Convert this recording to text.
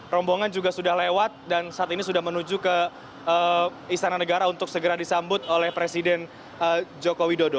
rombongan juga sudah lewat dan saat ini sudah menuju ke istana negara untuk segera disambut oleh presiden joko widodo